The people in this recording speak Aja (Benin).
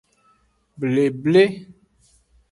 Bleble.